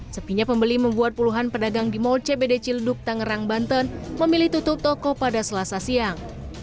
sepinya pembeli membuat puluhan pedagang di mall cbd cilduk tangerang banten memilih tutup toko pada selasa siang